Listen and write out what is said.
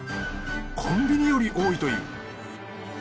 コンビニより多いという。